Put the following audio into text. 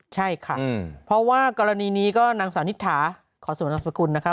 ใช่ค่ะเพราะว่ากรณีนี้ก็นางสาวนิถาขอสวนนามสกุลนะคะ